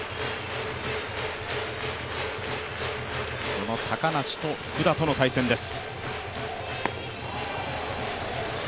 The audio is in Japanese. その高梨と福田との対戦です。